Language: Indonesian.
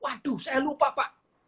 waduh saya lupa pak